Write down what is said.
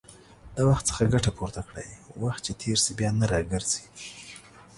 د وخت څخه ګټه پورته کړئ، وخت چې تېر شي، بيا نه راګرځي